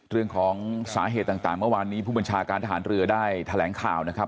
เรื่องของสาเหตุต่างเมื่อวานนี้ผู้บัญชาการทหารเรือได้แถลงข่าวนะครับ